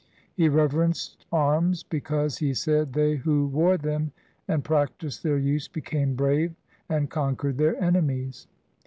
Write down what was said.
He reverenced arms because, he said, they who wore them and practised their use became brave and conquered their enemies.